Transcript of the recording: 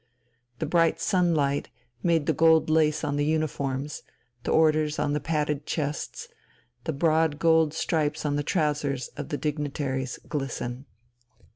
The bright sunlight made the gold lace on the uniforms, the orders on the padded chests, the broad gold stripes on the trousers of the dignitaries glisten.